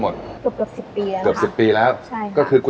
ระหว่างที่ในมหาลัยเราก็กลายของเพื่อตลอด